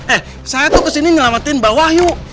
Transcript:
eh saya tuh kesini ngelamatin bahwa wahyu